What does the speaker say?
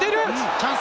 チャンス！